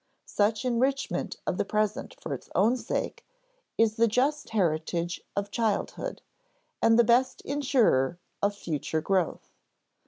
Such enrichment of the present for its own sake is the just heritage of childhood and the best insurer of future growth.